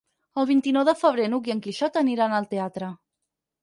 El vint-i-nou de febrer n'Hug i en Quixot aniran al teatre.